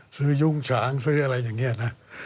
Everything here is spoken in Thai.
ซื้อยุ่งฉางซื้ออะไรอย่างเนี่ยนะ